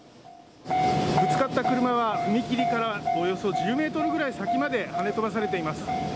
ぶつかった車は踏切からおよそ１０くらい先まではね飛ばされています。